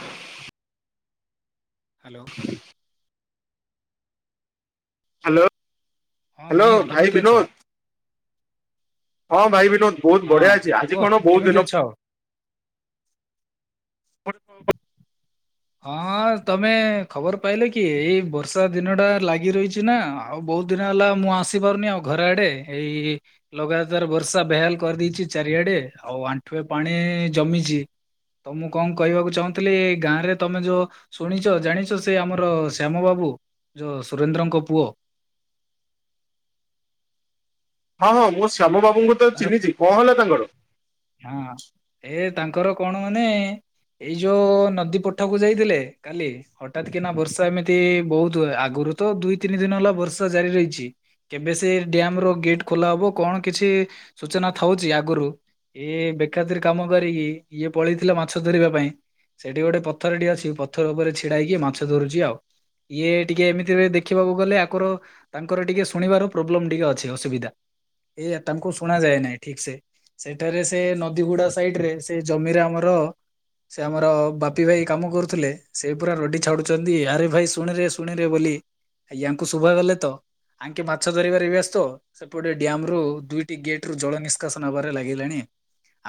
Hello hello hello, ହଁ hello Mihir କେମିତି ଭାଇ ଅଛ? ବିନୋଦ। ହଁ ଭାଇ ବିନୋଦ ବହୁତ ହଁ ବଢିଆ ଅଛି। ଆଜି କୁହ କଣ ବହୁତ କେମିତି ଦିନ - - ଅଛ? ପରେ ହଁ ତମେ ଖବର ପାଇଲେ କି ଏଇ ବର୍ଷା ଦିନ ଟା ଲାଗି ରହିଛି ନା। ଆଉ ବହୁତ ଦିନ ହେଲା ମୁଁ ଆସି ପାରୁନି ଆଉ ଘର ଆଡେ ଏଇ ଲଗାତାର ବର୍ଷା ବେହାଲ କରିଦେଇଛି ଚାରିଆଡେ ଆଉ ଆଣ୍ଠୁଏ ପାଣି ଜମିଛି। ତ ମୁଁ କଣ କହିବାକୁ ଚାହୁଁଥିଲି ଏ ଗାଁ ରେ ତମେ ଯୋଉ ଶୁଣିଛ ଜାଣିଛ ସେ ଆମର ଶ୍ୟାମ ବାବୁ ଯୋଉ ସୁରେନ୍ଦ୍ରଙ୍କ ପୁଅ। ହଁ ହଁ ମୁଁ ଶ୍ୟାମ ବାବୁଙ୍କୁ ତ ତାର ଚିହ୍ନିଛି କଣ ହେଲା ତାଙ୍କର? ହଁ ଏ ତାଙ୍କର କଣ ମାନେ ଏଇ ଯୋଉ ନଦୀ ପଠକୁ ଯାଇଥିଲେ କାଲି। ହଠାତ୍ କି ନା ବର୍ଷା ଏମିତି ବହୁତ ହୁଏ ଆଗରୁ ତ ଦୁଇ ତିନି ଦିନ ହେଲା ବର୍ଷା ଜାରି ରହିଛି। କେବେ ସେ ଡ୍ୟାମ ର ଗେଟ ଖୋଲା ହବ କଣ କିଛି ସୂଚନା ଥାଉଛି ଆଗରୁ। ଏଇ ବେଖାତିର କାମ କରିକି ଇଏ ପଳେଇଥିଲା ମାଛ ଧରିବା ପାଇଁ। ସେଠି ଗୋଟେ ପଥରଟି ଅଛି ପଥର ଉପରେ ଛିଡାଇକି ମାଛ ଧରୁଛି ଆଉ। ଇଏ ଟିକେ ଏମିତିରେ ଦେଖିବାକୁ ଗଲେ ଆଗର ତାଙ୍କର ଟିକେ ଶୁଣିବାର ପ୍ରୋବ୍ଲେମ ଟିକେ ଅଛି ଅସୁବିଧା ଏୟା। ତାଙ୍କୁ ଶୁଣ ଯାଏ ନାହିଁ ଠିକ ସେ ସେଠାରେ ସେ ନଦୀଗୁଡା ସାଇଡ ରେ ସେ ଜମିରେ ଆମର ସେ ଆମର ବାପି ଭାଇ କାମ କରୁଥିଲେ ସେ ପୁରା ରଡି ଛାଡୁଛନ୍ତି ଆରେ ଭାଇ ଶୁଣରେ ଶୁଣରେ ବୋଲି। ୟାଙ୍କୁ ଶୁଭା ଗଲେ ତ ଆଙ୍କେ ମାଛ ଧରିବାର ବ୍ୟସ୍ତ ସେପଟେ ଡ୍ୟାମ ରୁ ଦୁଇଟି ଗେଟ ରୁ ଜଳ ନିଷ୍କାସନ ହେବାରେ ଲାଗିଲାଣି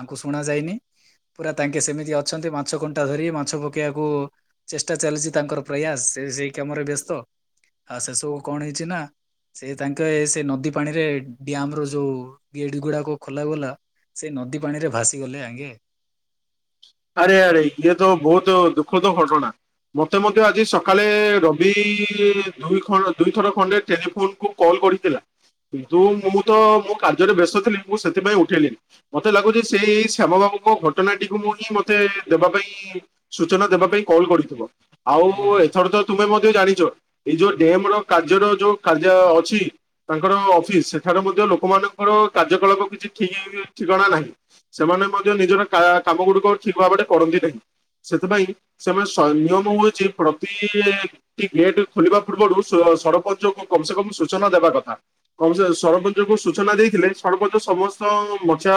ଆଙ୍କୁ ଶୁଣା ଯାଇନି। ପୁରା ତାଙ୍କେ ସେମିତି ଅଛନ୍ତି ମାଛ କଣ୍ଟା ଧରି ମାଛ ପକେଇବାକୁ ଚେଷ୍ଟା ଚାଲିଛି ତାଙ୍କର ପ୍ରୟାସ ସେ ସେଇ କାମରେ ବ୍ୟସ୍ତ। ଆଉ ସେସବୁ କଣ ହେଇଛି ନା ସେ ତାଙ୍କେ ସେ ନଦୀ ପାଣିରେ ଡ୍ୟାମ ରୁ ଯୋଉ ଗେଟେ ଗୁଡାକ ଖୋଲା ଗଲା ସେ ନଦୀ ପାଣି ରେ ଭାସି ଗଲେ ଆଗେ। ଆରେ ଆରେ ଇଏ ତ ବହୁତ ଦୁଖଦ ଘଟଣା। ମୋତେ ମଧ୍ୟ ଆଜି ସକାଳେ ରବି ଦୁଇ ଖଣ୍ଡ ଦୁଇଥର ଖଣ୍ଡେ ଟେଲିଫୋନକୁ କଲ୍ କରିଥିଲା କିନ୍ତୁ ମୁଁ ତ ମୋ କାର୍ଯ୍ୟରେ ବ୍ୟସ୍ତ ଥିଲି ମୁଁ ସେଥିପାଇଁ ଉଠେଇଲିିନି। ମତେ ଲାଗୁଛି ସିଏ ଏଇ ଶ୍ୟାମ ବାବୁଙ୍କ ଘଟଣାଟିକୁ ମୁଁ ମତେ ଦେବା ପାଇଁ ସୂଚନା ଦେବା ପାଇଁ କଲ କରିଥିବ ଆଉ ହଁ ହଁ ଏଥର ତ ତୁମେ ମଧ୍ୟ ଜାଣିଛ ଏଇ ଯୋଉ ଡ୍ୟାମ ର କାର୍ଯ୍ୟର ଯୋଉ କାର୍ଯ୍ୟ ଅଛି ତାଙ୍କର ଅଫିସ ସେଠାରେ ମଧ୍ୟ ଲୋକମାନଙ୍କର କାର୍ଯ୍ୟକଳାପ କିଛି ଠିକ ଠିକଣା ନାହିଁ। ସେମାନେ ମଧ୍ୟ ନିଜର କା କାମ ଗୁଡିକ ଠିକ ଭାବରେ କରନ୍ତି ନାହିଁ ସେଥିପାଇଁ ସେମାନେ [unintelligible] କି ଗେଟ୍ ଖୋଲିବା ପୂର୍ବରୁ ସ ସରପଞ୍ଚଙ୍କୁ କମସେ କମ ସୂଚନା ଦେବା କଥା। କମସେ ସରପଞ୍ଚଙ୍କୁ ସୂଚନା ଦେଇଥିଲେ ସରପଞ୍ଚ ସମସ୍ତ ମଚା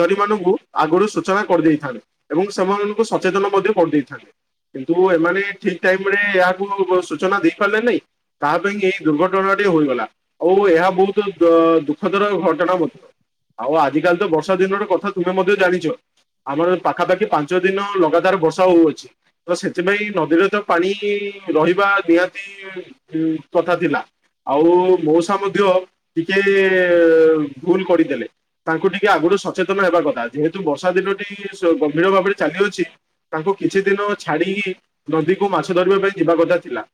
ଦରି ମାନଙ୍କୁ ଆଗରୁ ସୂଚନା କରିଦେଇଥାନ୍ତେ ଏବଂ ସେମାନଙ୍କୁ ସଚେତନ ମଧ୍ୟ କରିଦେଇଥାନ୍ତେ। କିନ୍ତୁ ଏମାନେ ଠିକ ଟାଇମରେ ଏହାକୁ ସୂଚନା ଦେଇପାରିଲେ ନାହିଁ। ତା ପାଇଁ କି ଏଇ ଦୁର୍ଘଟଣାଟି ହୋଇଗଲା। ଆଉ ଏହା ବହୁତ ଦୁଃଖଦର ଘଟଣା ମଧ୍ୟ। ଆଉ ଆଜିକାଲି ତ ବର୍ଷା ଦିନର କଥା ତୁମେ ମଧ୍ୟ ଜାଣିଛ ଆମର ପାଖାପାଖି ପାଞ୍ଚ ଦିନ ଲଗାତାର ବର୍ଷା ହଉଅଛି। ତ ସେଥିପାଇଁ ନଦୀରେ ତ ପାଣି ରହିବା ନିହାତି କଥା ଥିଲା। ଆଉ ମଉସା ମଧ୍ୟ ଟିକେ ଭୁଲ କରିଦେଲେ। ତାଙ୍କୁ ଟିକେ ଆଗରୁ ସଚେତନ ହେବା କଥା ଯେହେତୁ ବର୍ଷା ଦିନଟି ଗମ୍ଭୀର ଭାବରେ ଚାଲିଅଛି ତାଙ୍କୁ କିଛି ଦିନ ଛାଡି ନଦୀକୁ ମାଛ ଧରିବା ପାଇଁ ଯିବା କଥା ଥିଲା।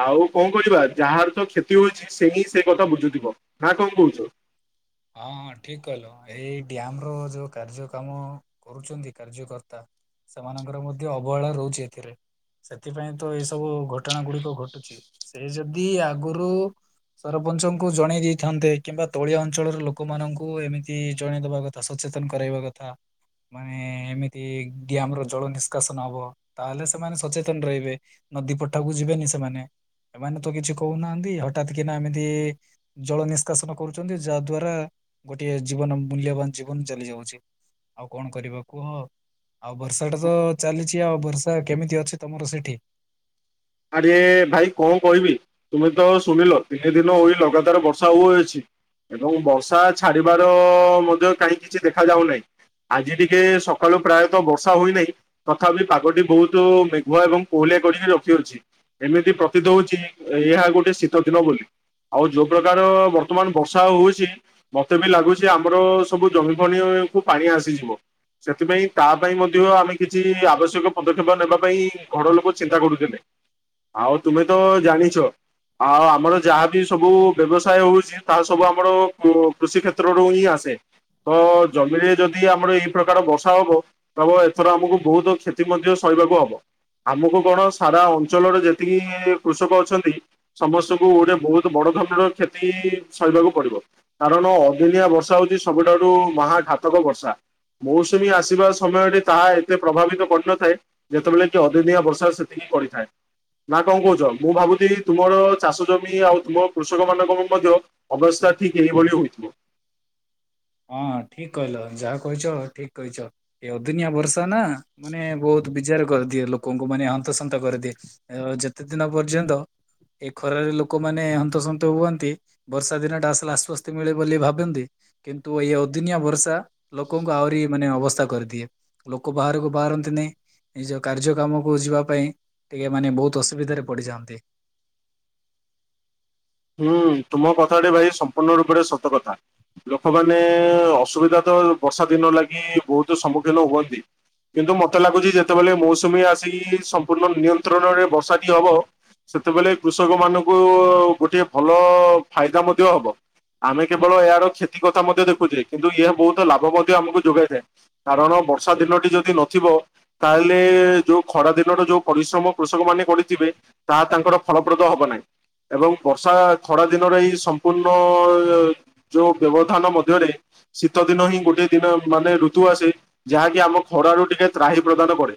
ଆଉ କଣ କରିବା ଯାହାର ତ କ୍ଷତି ହଉଛି ସିଏ ହିଁ ସେ କଥା ବୁଝୁଥିବ ନା କଣ କହୁଛ? ହଁ ହଁ ଠିକ୍ କହିଲ ଏଇ ଡ୍ୟାମର ଯୋଉ କାର୍ଯ୍ୟ କାମ କରୁଚନ୍ତି କାର୍ଯ୍ୟକର୍ତ୍ତା ସେମାନଙ୍କର ମଧ୍ୟ ଅବହେଳା ରହୁଚି ଏଥିରେ। ସେଥିପାଇଁତ ଏଇ ସବୁ ଘଟଣା ଗୁଡ଼ିକ ଘଟୁଚି। ସେ ଯଦି ଆଗରୁ ସରପଞ୍ଚଙ୍କୁ ଜଣେଇ ଦେଇଥାନ୍ତେ କିମ୍ବା ଦଳିଅ ଅ ଅଞ୍ଚଳର ଲୋକମାନଙ୍କୁ ଏମିତି ଜଣେଇଦବା କଥା ସଚେତନ କରାଇବା କଥା। ମାନେ ଏମିତି ଡ୍ୟାମର ଜଳ ନିଷ୍କାସନ ହବ ତାହେଲେ ସେମାନେ ସଚେତନ ରହିବେ। ନଦୀ ପଟାକୁ ଯିବେନି ସେମାନେ। ଏମାନେତ କିଛି କହୁନାହାନ୍ତି ହଠାତ୍ କିନା ଏମିତି ଜଳ ନିଷ୍କାସନ କରୁଚନ୍ତି ଯାହାଦ୍ୱାରା ଗୋଟିଏ ଜୀବନ ମୂଲ୍ୟବାନ ଜୀବନ ଚାଲି ଯାଉଚି। ଆଉ କଣ କରିବ କୁହ ଆଉ ବର୍ଷାଟାତ ଚାଲିଚି ଆଉ ବର୍ଷା କେମିତି ଅଛି ତମର ସେଠି? ଆରେ ଭାଇ କଁ କହିବି। ତୁମେତ ଶୁଣିଲ ତିନି ଦିନ ହୋଇ ଲଗାତାର ବର୍ଷା ହଉଅଛି। ଏବଂ ବର୍ଷା ଛାଡ଼ିବାର ମଧ୍ୟ କାହିଁ କିିଛି ଦେଖା ଯାଉନାହିଁ। ଆଜି ଟିକେ ସକାଳୁ ପ୍ରାୟତଃ ବର୍ଷା ହୋଇନାହିଁ। ତଥାପି ପାଗଟି ବହୁତ୍ ମେଘୁଆ ଏବଂ କୋହଳିଆ କରିକି ରଖିଅଛି। ଏମିତି ପ୍ରତୀତ ହଉଚି ଏହା ଗୋଟେ ଶୀତ ଦିନ ବୋଲି। ଆଉ ଯୋଉ ପ୍ରକାର ବର୍ତ୍ତମାନ ବର୍ଷା ହଉଚି ମତେବି ଲାଗୁଚି ଆମର ସବୁ ଜମିପଣିୟ କୁ ପାଣି ଆସିଯିବ। ସେଥିପାଇଁ ତାପାଇଁ ମଧ୍ୟ ଆମେ କିଛି ଆବଶ୍ୟକ ପଦକ୍ଷେପ ନେବା ପାଇଁ ଘର ଲୋକ ଚିନ୍ତା କରୁଥିଲେ। ଆଉ ତୁମେତ ଜାଣିଛ ଆଉ ଆମର ଯାହାବି ସବୁ ବ୍ୟବସାୟ ହଉଛି ତାହା ସବୁ ଆମର କୃଷି କ୍ଷେତ୍ରରୁ ହିଁ ଆସେ। ତଜମିରେ ଯଦି ଆମର ଏଇ ପ୍ରକାର ବର୍ଷା ହବ ତେବ ଏଥର ଆମକୁ ବହୁତ୍ କ୍ଷତି ମଧ୍ୟ ସହିବାକୁ ହବ ଆମକୁ କଣ ସାରା ଅଞ୍ଚଳରେ ଯେତିକି କୃଷକ ଅଛନ୍ତି ସମସ୍ତଙ୍କୁ ଗୋଟେ ବହୁତ୍ ବଡ଼ ଧରଣର କ୍ଷତି ସହିବାକୁ ପଡ଼ିବ। କାରଣ ଅଦିନିଆ ବର୍ଷା ହଉଚି ସବୁଠାରୁ ମହାଘାତକ ବର୍ଷା। ମୌସୁମୀ ଆସିବା ସମୟରେ ତାହା ଏତେ ପ୍ରଭାବିତ କରିନଥାଏ ଯେତେବେଳେକି ଅଦିନିଆ ବର୍ଷା ସେତିକି କରିଥାଏ। ନା କଣ କହୁଚ ମୁଁ ଭାବୁଚି ତୁମର ଚାଷ ଜମି ଆଉ ତୁମ କୃଷକ ମାନଙ୍କ ମଧ୍ୟ ଅବସ୍ଥା ଠିକ୍ ଏହିଭଳି ହୋଇଥିବ। ହଁ ଠିକ୍ କହିଲ ଯାହା କହିଚ ଠିକ୍ କହିଚ। ଏ ଅଦିି‌ନିଆ ବର୍ଷା ନା ମାନେ ବହୁତ ବିଜାର କରିଦିଏ ଲୋକଙ୍କୁ ମାନେ ହନ୍ତସନ୍ତ କରିଦିଏ। ଅଁ ଘ୍ରଯେତେ ଦିନ ପର୍ଯ୍ୟନ୍ତ ଏ ଖରାରେ ଲୋକମାନେ ହନ୍ତସନ୍ତ ହୁଅନ୍ତି। ବର୍ଷା ଦିନଟା ଆସିଲ ଆଶ୍ଵସ୍ତି ମିଳେ ବୋଲି ଭାବନ୍ତି। କିନ୍ତୁ ଏଇ ଅଦୁିନିଆ ବର୍ଷା ଲୋକଙ୍କୁ ଆହୁରି ମାନେ ଅବସ୍ଥା କରିଦିଏ ଲୋକ ବାହାରକୁ ବାହାରନ୍ତିନି ନିଜ କାର୍ଯ୍ୟ କାମକୁ ଯିବା ପାଇଁ ଟିକେ ମାନେ ବହୁତ୍ ଅସୁବିଧାରେ ପଡ଼ିଯାଆନ୍ତି। ହୁଁ ତୁମ କଥାଟେ ଭାଇ ସମ୍ପୂର୍ଣ୍ଣ ରୂପରେ ସତ କଥା। ଲୋକମାନେ ଅସୁବିଧାତ ବର୍ଷା ଦିନ ଲାଗି ବହୁତ୍ ସମ୍ମୁଖୀନ ହୁଅନ୍ତି। କିନ୍ତୁ ମତେ ଲାଗୁଚି ଯେତେବେଳେ ମୌସୁମୀ ଆସିକି ସମ୍ପୂର୍ଣ୍ଣ ନିୟନ୍ତ୍ରଣରେ ବର୍ଷାଟି ହବ ସେତେବେଳେ କୃଷକ ମାନଙ୍କୁ ଗୋଟେ ଭଲ ଫାଇଦା ମଧ୍ୟ ହବ। ଆମେ କେବଳ ଏହାର କ୍ଷତି କଥା ମଧ୍ୟ ଦେଖୁଛେ କିନ୍ତୁ ଏହା ବହୁତ୍ ଲାଭ ମଧ୍ୟ ଆମକୁ ଯୋଗାଇଥାଏ। କାରଣ ବର୍ଷା ଦିନଟି ଯଦି ନଥିବ ତାହେଲେ ଯୋଉ ଖରା ଦିନର ଯୋଉ ପରିଶ୍ରମ କୃଷକ ମାନେ କରିଥିବେ ତାହା ତାଙ୍କର ଫଳପ୍ରଦ ହବ ନାହିଁ ଏବଂ ବର୍ଷା ଥଡା ଦିନରେ ଏଇ ସମ୍ପୂର୍ଣ୍ଣ ଯୋଉ ବ୍ୟବଧାନ ମଧ୍ୟରେ ଶୀତ ଦିନ ହିଁ ଗୋଟେ ଦିନ ମାନେ ଋତୁ ଆସେ ଯାହାକି ଆମ ଖରାରୁ ଟିକେ ତ୍ରାହି ପ୍ରଦାନ କରେ।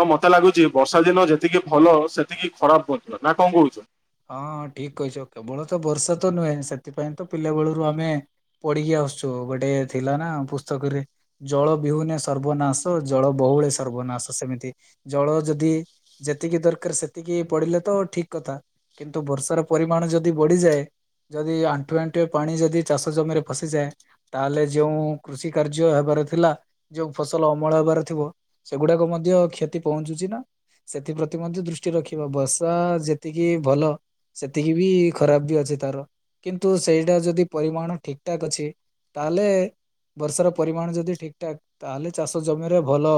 ତ ମୋତେ ଲାଗୁଛି ବର୍ଷା ଦିନ ଯେତିକି ଭଲ ସେତିକି ଖରାପ ପଡିବ ନା କଣ କହୁଛ? ହଁ ହଁ ଠିକ କହିଛ କେବଳ ତ ବର୍ଷା ତ ନୁହେଁ ସେଥିପାଇଁ ତ ପିଲା ବେଳରୁ ଆମେ ପଢିକି ଆସୁଛୁ ଗୋଟେ ଥିଲା ନା ପୁସ୍ତକରେ ଜଳ ବିହୁନେ ସର୍ବନାଶ, ଜଳ ବହୁଳ ସର୍ବନାଶ। ସେମିତି ଜଳ ଯଦି ଯେତିକି ଦରକାର ସେତିକି ପଡ଼ିଲେ ତ ଠିକ କଥା। କିନ୍ତୁ ବର୍ଷାର ପରିମାଣ ଯଦି ବଢିଯାଏ ଯଦି ଆଣ୍ଠୁଏ ଆଣ୍ଠୁଏ ପାଣି ଯଦି ଚାଷ ଜମିରେ ଫସିଯାଏ ତାହେଲେ ଯେଉଁ କୃଷି କାର୍ଯ୍ୟ ହେବାର ଥିଲା ଯୋଉ ଫସଲ ଅମଳ ହେବାର ଥିବ ସେଗୁଡାକ ମଧ୍ୟ କ୍ଷତି ପହଞ୍ଚୁଛି ନା। ସେଥିପ୍ରତି ମଧ୍ୟ ଦୃଷ୍ଟି ରଖିବା। ବର୍ଷା ଯେତିକି ଭଲ, ସେତିକି ବି ଖରାପ ବି ଅଛି ତାର। କିନ୍ତୁ ସେଇଟା ଯଦି ପରିମାଣ ଠିକ ଠାକ୍ ଅଛି ତାହେଲେ ବର୍ଷାର ପରିମାଣ ଯଦି ଠିକ୍ ଠାକ ତାହେଲେ ଚାଷ ଜମିରେ ଭଲ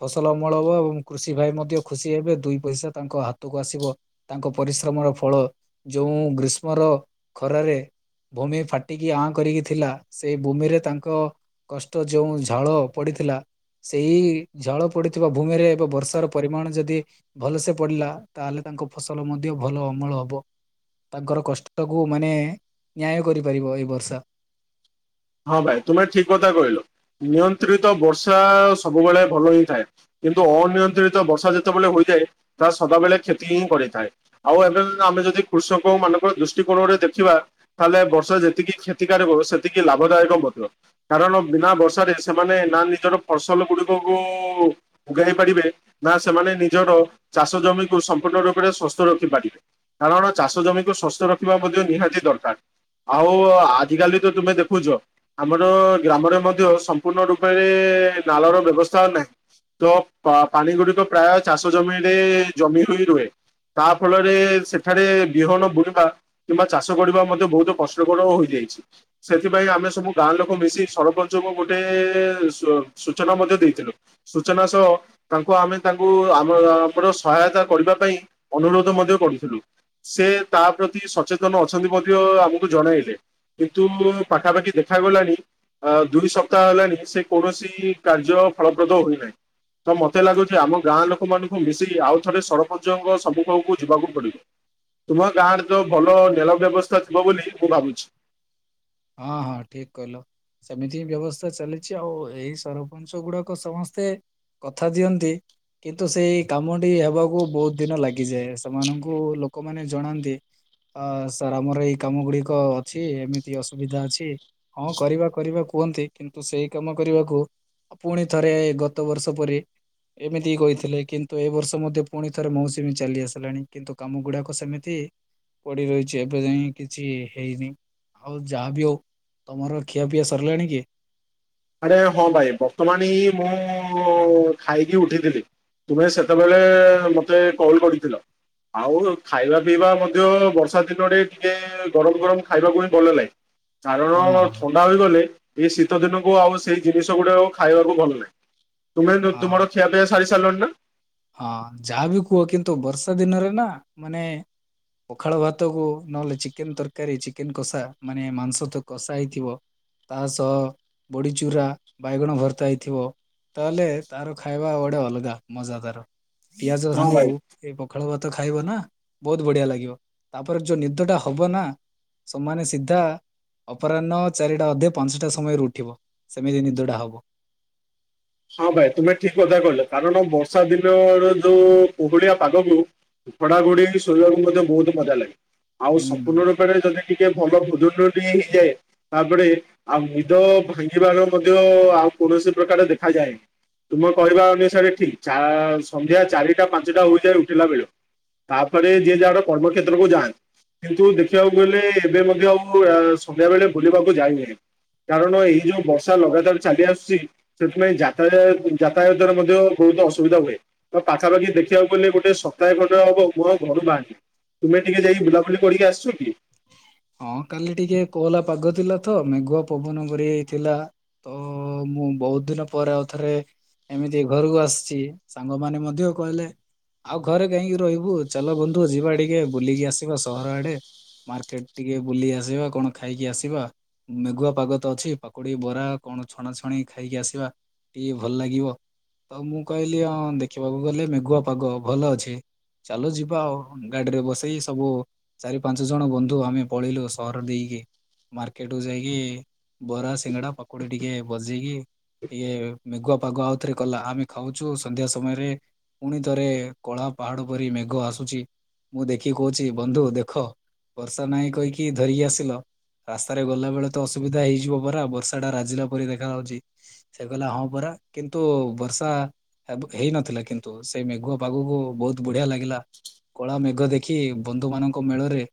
ଫସଲ ଅମଳ ହେବ ଏବଂ କୃଷି ଭାଇ ମଧ୍ୟ ଖୁସି ହେବେ। ଦୁଇ ପଇସା ତାଙ୍କ ହାତକୁ ଆସିବ ତାଙ୍କ ପରିଶ୍ରମର ଫଳ ଯେଉଁ ଗ୍ରୀଷ୍ମର ଖରାରେ ଭୂମି ଫାଟିକି ଆଁ କରିକି ଥିଲା ସେଇ ଭୂମିରେ ତାଙ୍କ କଷ୍ଟ ଯେଉଁ ଝାଳ ପଡିଥିଲା ସେଇ ଝାଳ ପଡିଥିବା ଭୂମିରେ ଏବେ ବର୍ଷାର ପରିମାଣ ଯଦି ଭଲସେ ପଡିଲା ତାହେଲେ ତାଙ୍କ ଫସଲ ମଧ୍ୟ ଭଲ ଅମଳ ହବ। ତାଙ୍କର କଷ୍ଟକୁ ମାନେ ନ୍ୟାୟ କରିପାରିବ ଏଇ ବର୍ଷା। ହଁ ଭାଇ ତୁମେ ଠିକ କଥା କହିଲ ନିୟନ୍ତ୍ରିତ ବର୍ଷା ସବୁବେଳେ ଭଲ ହେଇଥାଏ। କିନ୍ତୁ ଅନିୟନ୍ତ୍ରିତ ବର୍ଷା ଯେତେବେଳେ ହୋଇଯାଏ ତାହା ସଦାବେଳେ କ୍ଷତି ହିଁ କରିଥାଏ। ଆଉ ଏବେ ଯଦି ଆମେ ଯଦି କୃଷକ ମାନଙ୍କ ଦୃଷ୍ଟିକୋଣରେ ଦେଖିବା ତାହେଲେ ବର୍ଷା ଯେତିକି କ୍ଷତିକାରକ, ସେତିକି ଲାଭଦାୟକ ମଧ୍ୟ। କାରଣ ବିନା ବର୍ଷାରେ ସେମାନେ ନା ନିଜର ଫସଲ ଗୁଡ଼ିକକୁ [unintelligible] ପାରିବେ ନା ସେମାନେ ନିଜର ଚାଷ ଜମିକୁ ସମ୍ପୂର୍ଣ୍ଣ ରୂପରେ ସୁସ୍ଥ ରଖିପାରିବେ। କାରଣ ଚାଷ ଜମିକୁ ସ୍ଵସ୍ଥ ରଖିବା ମଧ୍ୟ ନିହାତି ଦରକାର। ଆଉ ଆଜିକାଲି ତ ତୁମେ ଦେଖ ଖୁଜ ଆମର ଗ୍ରାମରେ ମଧ୍ୟ ସମ୍ପୂର୍ଣ୍ଣ ରୂପରେ ନାଳର ବ୍ୟବସ୍ଥା ନାହିଁ। ତ ପାଣି ଗୁଡିକ ପ୍ରାୟ ଚାଷ ଜମିରେ ଜମି ହୋଇ ରୁହେ। ତା ଫଳରେ ସେଠାରେ ବିହନ ବୁଣିବା କିମ୍ବା ଚାଷ କରିବା ମଧ୍ୟ ବହୁତ କଷ୍ଟକର ହୋଇଯାଇଛି। ସେଥିପାଇଁ ଆମେ ସବୁ ଗାଁ ଲୋକ ମିଶି ସରପଞ୍ଚଙ୍କୁ ଗୋଟେ ସୂଚନା ମଧ୍ୟ ଦେଇଥିଲୁ। ସୂଚନା ସହ ତାଙ୍କୁ ଆମେ ତାଙ୍କୁ ଆମ ଆମର ସହାୟତା କରିବା ପାଇଁ ଅନୁରୋଧ ମଧ୍ୟ କରୁଥିଲୁ। ସେ ତା ପ୍ରତି ସଚେତନ ଅଛନ୍ତି ମଧ୍ୟ ଆମକୁ ଜଣେଇଲେ, କିନ୍ତୁ ପାଖାପାଖି ଦେଖାଗଲାଣି ଅ ଦୁଇ ସପ୍ତାହ ହେଲାଣି ସେ କୌଣସି କାର୍ଯ୍ୟ ଫଳପ୍ରଦ ହୋଇନାହିଁ। ତ ମତେ ଲାଗୁଛି ଆମ ଗାଁ ଲୋକମାନଙ୍କୁ ମିଶିକି ଆଉ ଥରେ ସରପଞ୍ଚଙ୍କ ସମ୍ମୁଖକୁ ଯିବାକୁ ପଡିବ। ତୁମ ଗାଁ ରେ ତ ଭଲ ନେଲ ବ୍ୟବସ୍ଥା ଥିବ ବୋଲି ମୁଁ ଭାବୁଛି। ହଁ ହଁ ଠିକ କହିଲ। ସେମିତି ହିଁ ବ୍ୟବସ୍ଥା ଚାଲିଛି ଆଉ ଏଇ ସରପଞ୍ଚ ଗୁଡାକ ସମସ୍ତେ କଥା ଦିଅନ୍ତି। କିନ୍ତୁ ସେଇ କାମଟି ହେବାକୁ ବହୁତ ଦିନ ଲାଗିଯାଏ ସେମାନଙ୍କୁ ଲୋକମାନେ ଜଣାନ୍ତି। ଅ ସାର୍ ଆମର ଏଇ କାମ ଗୁଡିକ ଅଛି ଏମି ତି ଅସୁବିଧା ଅଛି ହଁ କରିବା କରିବା କୁହନ୍ତି କିନ୍ତୁ ସେଇ କାମ କରିବାକୁ। ପୁଣି ଥରେ ଗତ ବର୍ଷ ପରି। ଏମିତିି କହିଥିଲେ କିନ୍ତୁ ଏ ବର୍ଷ ମଧ୍ୟ ପୁଣି ଥରେ ମୌସୁମୀ ଚାଲି ଆସିଲାଣି କିନ୍ତୁ କାମ ଗୁଡାକ ସେମିତି। ପଡ଼ି ରହିଛି ଏବେ ଯାଇଁ କିଛି ହେଇନି। ଆଉ ଯାହାବି ହଉ ତମର ଖିଆପିଆ ସରିଲାଣି କି? ଆରେ ହଁ ଭାଇ ବର୍ତ୍ତମାନେ ଏ ମୁଁ ଖାଇକି ଉଠିଥିଲି। ତୁମେ ସେତେବେଳେ ମତେ କଲ କରିଥିଲ। ଆଉ ଖାଇବା ପିଇବା ମଧ୍ୟ ବର୍ଷା ଦିନରେ ଟିକେ ଗରମ ଗରମ ଖାଇବାକୁ ହିଁ ଭଲ ଲାଗେ। ହଁ କାରଣ ହଁ ଥଣ୍ଡା ହୋଇଗଲେ ଏଇ ଶୀତଦିନ। ଓ ଆଉ ସେଇ ଜିନିଷ ଗୁଡା ଖାଇବାକୁ ଭଲ ନାହିଁ ତୁମେ ତ ହଁ ତୁମର ଖିଆ ପିଆ ସାରି ସାରିଲଣି ନା? ହଁ ଯାହା ବି କୁହ କିନ୍ତୁ ବର୍ଷା ଦିନରେ ନା ମାନେ। ପଖାଳ ଭାତକୁ ନହେଲେ ଚିକେନ୍ ତରକାରୀ ଚିକେନ୍ କଷା ମାନେ ମାଂସ ତ କଷା ହେଇଥିବ। ତା ସହ ବଡ଼ିଚୁରା ବାଇଗଣ ଭର୍ତ୍ତା ହେଇଥିବ। ତାହେଲେ ତାର ଖାଇବା ଗୋଡେ ଅଲଗା ମଜା ତାର ପିଆଜ ହଁ ସାଙ୍ଗକୁ। ଭାଇ। ଏଇ ପଖାଳ ଭାତ ଖାଇବ ନା ବହୁତ ବଢିଆ ଲାଗିବ ତାପରେ ଯୋଉ ନିଦଟା ହବ ନା। ସମାନେ ସିଦ୍ଧା। ଅପରାହ୍ନ ଚାରିଟା ଅଧେ ପାଞ୍ଚଟା ସମୟରୁ ଉଠିବ ସେମିତି ନିଦଟା ହବ। ହଁ ଭାଇ ତୁମେ ଠିକ୍ କଥା କହିଲ କାରଣ ବର୍ଷା ଦିନରେ ଯୋଉ କୁହୁଳିଆ ପାଗକୁ। ଘଡାଘୁଡି ଶୋଇବାକୁ ମଧ୍ୟ ବହୁତ ମଜା ଲାଗେ ଆଉ ହୁଁ। ସମ୍ପୂର୍ଣ୍ଣ ରୂ ପରେ ଯଦି ଟିକେ ଭଲ ଭୋଜନ ଟିକେ ହେଇଯାଏ। ତାପରେ ଆଉ ନିଦ ଭାଙ୍ଗିବାର ମଧ୍ୟ ଆଉ କୌଣସି ପ୍ରକାର ଦେଖାଯାଏନି। ତୁମ କହିବା ଅନୁସାରେ ଠିକ ଚା ସନ୍ଧ୍ୟା ଚାରିଟା ପାଞ୍ଚଟା ହୋଇଠାରୁ ଉଠିଲା ବେଳୁ। ତାପରେ ଯିଏ ଯାହାର କର୍ମ କ୍ଷେତ୍ରକୁ ଯାଆନ୍ତି। କିନ୍ତୁ ଦେଖିବାକୁ ଗଲେ ଏବେ ମଧ୍ୟ ଆଉ ଏ ସନ୍ଧ୍ୟାବେଳେ ବୁଲିବାକୁ ଯାଇନାହିଁ। କାରଣ ଏଇ ଯୋଉ ବର୍ଷା ଲଗାତାର ଚାଲି ଆସୁଛି। ସେଥିପାଇଁ ଯାତାରେ ଯାତାୟାତରେ ମଧ୍ୟ ବହୁତ ଅସୁବିଧା ହୁଏ। ତ ପାଖାପାଖି ଦେଖିବାକୁ ଗଲେ ଗୋଟେ ସକାଏ ଖଣ୍ଡେ ହବ ମୁଁ ଆଉ ଘରୁ ବାହାରିନି। ତୁମେ ଟିକେ ଯାଇ ବୁଲାବୁଲି କରିକି ଆସିଛ କି? ହଁ କାଲି ଟିକେ କହଲା ପାଗ ଥିଲା ତ ମେଘୁଆ ପବନ ଘୁରି ହେଇଥିଲା। ତ ମୁଁ ବହୁତ ଦିନ ପରେ ଆଉ ଥରେ। ଏମିତି ଘରକୁ ଆସିଛି ସାଙ୍ଗମାନେ ମଧ୍ୟ କହିଲେ। ଆଉ ଘରେ କାହିଁକି ରହିବୁ ଚାଲ ବନ୍ଧୁ ଯିବା ଟିକେ ବୁଲିକି ଆସିବା ସହରଆଡେ। ମାର୍କେଟ ଟିକେ ବୁଲି ଆସିବା କଣ ଖାଇକି ଆସିବା। ମେଘୁଆ ପାଗ ତ ଅଛି ପକୁଡି ବରା କଣ ଛଣାଛଣି ଖାଇକି ଆସିବା। ଟିକେ ଭଲ ଲାଗିବ ତ ମୁଁ କହିଲି ହଁ ଦେଖିବାକୁ ଗଲେ ମେଘୁଆ ପାଗ ଭଲ ଅଛି। ଚାଲ ଯିବା ଆଉ ଗାଡିରେ ବସେଇ ସବୁ। ପାଞ୍ଚଜଣ ବନ୍ଧୁ ଆମେ ପଳେଇଲୁ ସହର ଦେଇକି। ମାର୍କେଟକୁୁ ଯାଇକି ବରା ସିଙ୍ଗଡା ପକୁଡି ଟିକେ ବଜେଇକି। ଟିକେ ମେଘୁଆ ପାଗ ଆଉଥରେ କଲା ଆମେ ଖାଉଛୁ ସନ୍ଧ୍ୟା ସମୟରେ। ପୁଣି ଥରେ କଳା ପାହାଡ ପରି ମେଘ ଆସୁଛି ମୁଁ ଦେଖିକି କହୁଛି ବନ୍ଧୁ ଦେଖ। ବର୍ଷା ନାଇଁ କହିକି ଧରିକି ଆସିଲ। ରାସ୍ତାରେ ଗଲା ବେଳେ ତ ଅସୁବିଧା ହେଇଯିବ ପରା ବର୍ଷା ଟା ରାଜିଲା ପରେ ଦେଖାଯାଉଚି। ସେ କହିଲା ହଁ ପରା କିନ୍ତୁ ବର୍ଷା ଅବ ହେଇନଥିଲା କିନ୍ତୁ ସେଇ ମେଘୁଆ ପାଗକୁ ବହୁତ ବଢିଆ ଲାଗିଲା। କଳା ମେଘ ଦେଖି ବନ୍ଧୁ ମାନଙ୍କ ମେଳରେ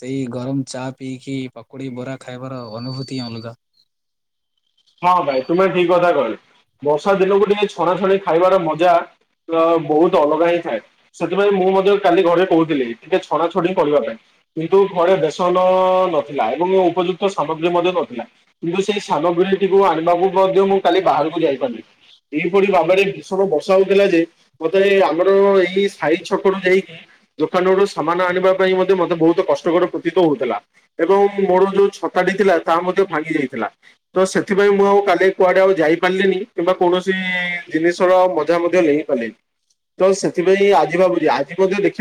ସେଇ ଗରମ ଚା ପିଇକି ପକୁଡି ବରା ଖାଇବାର ଅନୁଭୂତି ଅଲଗା। ହଁ ଭାଇ ତୁମେ ଠିକ କଥା କହିଲ ବର୍ଷା ଦିନକୁ ଟିକେ ଛଣାଛଣି ଖାଇବାର ମଜା ତ ବହୁତ ଅଲଗା ହିଁ ଥାଏ। ସେଥିପାଇଁ ମୁଁ ମଧ୍ୟ କାଲି ଘରେ କହୁଥିଲି ଟିକେ ଛଣା ଛଣି କରିବା ପାଇଁ। କିନ୍ତୁ ଘରେ ବେସନ ନଥିଲା ଏବଂ ଉପଯୁକ୍ତ ସାମଗ୍ରୀ ମଧ୍ୟ ନଥିଲା।। କିନ୍ତୁ ସେଇ ସାମଗ୍ରୀଟିକୁ ଆଣିବାକୁ ମଧ୍ୟ ମୁଁ କାଲି ବାହାରକୁ ଯାଇପାରିଲିନି। ଏହିଇଭଳି ଭାବରେ ଭୀଷଣ ବର୍ଷା ହଉଥିଲା ଯେ ମତେ ଆମର ଏଇ ସାହି ଛକରୁୁ ଯାଇକି ଦୋକାନରୁ ସାମାନ ଆଣିବା ପାଇଁ ମଧ୍ୟ ମୋତେ ବହୁତ କଷ୍ଟକର ପ୍ରତୀତ ହଉଥିଲା। ଏବଂ ମୋର ଯୋଉ ଛତାଟି ଥିଲା ତାହା ମଧ୍ୟ ଭାଙ୍ଗି ଯାଇଥିଲା ତ ସେ ସେଥିପାଇଁ ମୁଁ ଆଉ କାଲି କୁଆଡେ ଆଉ ଯାଇପାରିଲିନି କିମ୍ବା କୌଣସି ଜିନିଷର ମଜା ମଧ୍ୟ ନେଇପାରିଲନି। ତ ସେଥିପାଇଁ ଆଜି ଭାବୁଚି ଆଜି ମଧ୍ୟ ଦେଖିବା